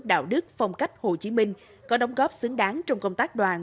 đạo đức phong cách hồ chí minh có đóng góp xứng đáng trong công tác đoàn